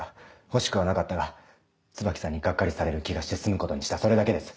欲しくはなかったが椿さんにがっかりされる気がして住むことにしたそれだけです。